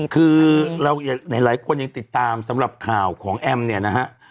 คือเราหลายคนยังติดตามสำหรับข่าวของแอมเนี่ยนะฮะ